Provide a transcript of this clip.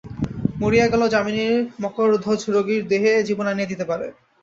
মরিয়া গেলেও যামিনীর মকরধ্বজ রোগীর দেহে জীবন আনিয়া দিতে পারে।